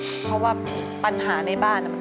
เพราะว่าปัญหาในบ้าน